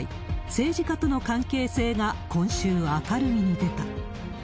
政治家との関係性が今週明るみに出た。